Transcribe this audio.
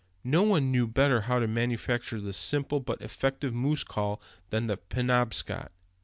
No one knew better how to manufacture the simple but effective moose call than the Penobscot.